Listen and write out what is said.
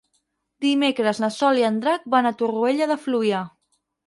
Dimecres na Sol i en Drac van a Torroella de Fluvià.